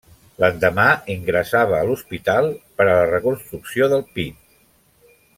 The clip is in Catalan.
L'endemà, ingressava a l'hospital per a la reconstrucció del pit.